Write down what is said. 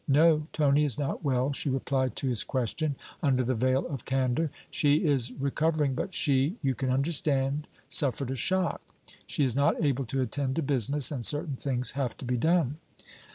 'No, Tony is not well,' she replied to his question, under the veil of candour. 'She is recovering, but she you can understand suffered a shock. She is not able to attend to business, and certain things have to be done.'